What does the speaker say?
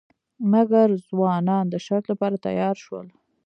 مګر ځوانان د شرط لپاره تیار شول.